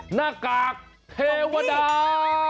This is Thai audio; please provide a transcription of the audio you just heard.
หน้ากากเทวดา